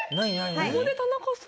ここで田中さん？